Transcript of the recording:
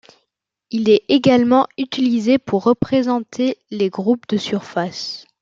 Il est également utilisé pour représenter les groupes de surface.